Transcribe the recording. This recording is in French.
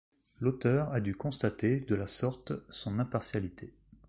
L’auteur a dû constater de la sorte son impartialité.